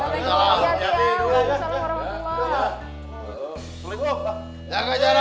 assalamualaikum siap siap ya ya ya ya